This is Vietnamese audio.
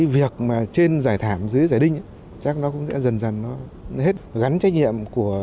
việc trên giải thảm dưới giải đinh chắc nó cũng sẽ dần dần hết gắn trách nhiệm